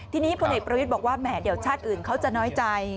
ทีนี้พลเอกประวิทย์บอกว่าแหมเดี๋ยวชาติอื่นเขาจะน้อยใจ